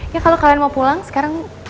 ya kalau kalian mau pulang sekarang